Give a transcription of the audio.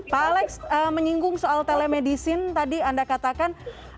pak alex menyinggung soal telemedicine tadi anda katakan